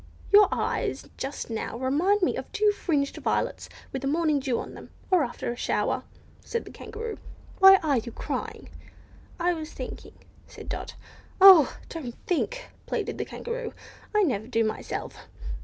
"Your eyes just now remind me of two fringed violets, with the morning dew on them, or after a shower," said the Kangaroo. "Why are you crying?" "I was thinking," said Dot. "Oh! don't think!" pleaded the Kangaroo; "I never do myself."